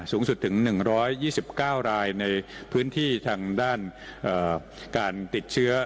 สูงสุดถึง๑๒๙รายในพื้นที่ทางด้านการติดเชื้อ